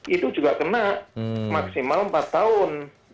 itu juga kena maksimal empat tahun